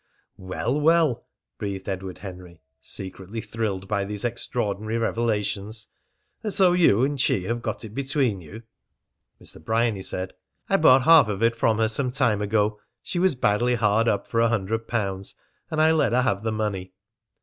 "Well, well!" breathed Edward Henry, secretly thrilled by these extraordinary revelations. "And so you and she have got it between you?" Mr. Bryany said: "I bought half of it from her some time ago. She was badly hard up for a hundred pounds, and I let her have the money."